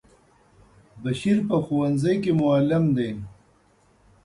بشیر په ښونځی کی معلم دی.